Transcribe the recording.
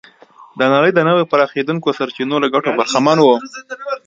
د نړۍ د نویو پراخېدونکو سرچینو له ګټو برخمن و.